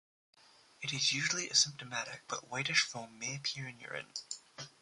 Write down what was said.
It is usually asymptomatic but whitish foam may appear in urine.